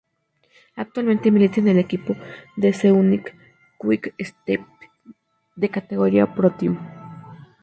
Actualmente milita en el equipo Deceuninck-Quick Step, de categoría ProTeam.